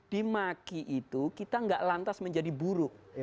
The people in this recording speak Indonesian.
di maki itu kita gak lantas menjadi buruk